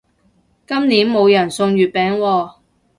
今年冇人送月餅喎